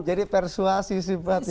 jadi persuasi sifatnya